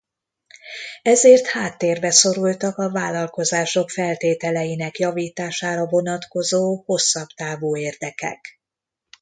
Ezért háttérbe szorultak a vállalkozások feltételeinek javítására vonatkozó hosszabb távú érdekek.